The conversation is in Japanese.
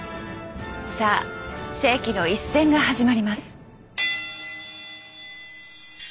さあ世紀の一戦が始まります！